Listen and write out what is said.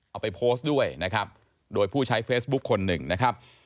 เอาไปโพสต์ด้วยนะครับโดยผู้ใช้เฟซบุ๊คคนหนึ่งนะครับ